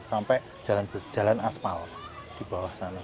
sampai jalan aspal di bawah sana